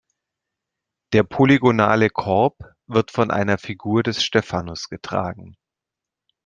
Der polygonale Korb wird von einer Figur des Stephanus getragen.